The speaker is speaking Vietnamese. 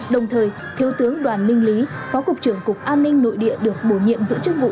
đồng thời thiếu tướng đoàn minh lý phó cục trưởng cục an ninh nội địa được bổ nhiệm giữ chức vụ